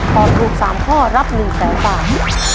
ตอบถูก๓ข้อรับ๑แสนบาท